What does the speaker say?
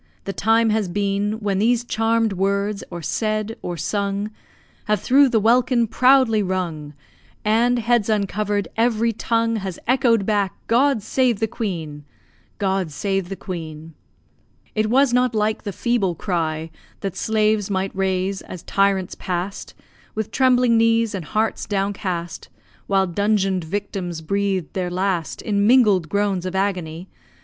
The time has been When these charmed words, or said or sung, Have through the welkin proudly rung; And, heads uncovered, every tongue Has echoed back "God save the Queen!" God save the Queen! It was not like the feeble cry That slaves might raise as tyrants pass'd, With trembling knees and hearts downcast, While dungeoned victims breathed their last In mingled groans of agony!